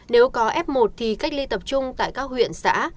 nếu có f một thì cách ly tập trung tại các huyện xã